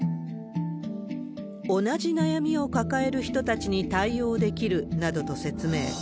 同じ悩みを抱える人たちに対応できるなどと説明。